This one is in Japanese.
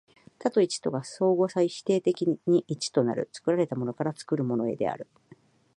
多と一とが相互否定的に一となる、作られたものから作るものへである。